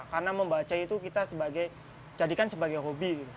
karena membaca itu kita jadikan sebagai hobi